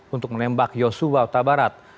untuk menembak yosua utabarat